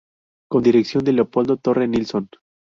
Con dirección de Leopoldo Torre Nilsson.